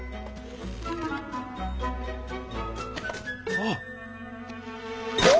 あっ！